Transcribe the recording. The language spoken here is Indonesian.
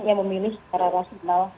yang memilih secara rasional